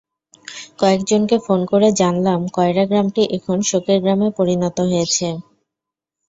কয়েকজনকে ফোন করে জানলাম কয়ড়া গ্রামটি এখন শোকের গ্রামে পরিণত হয়েছে।